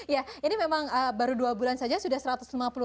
ya ini memang baru dua bulan saja sudah satu ratus lima puluh